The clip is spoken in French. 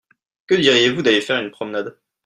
Que diriez-vous d'aller faire une promenade ?